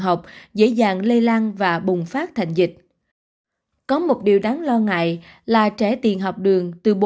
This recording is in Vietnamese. học dễ dàng lây lan và bùng phát thành dịch có một điều đáng lo ngại là trẻ tiền học đường từ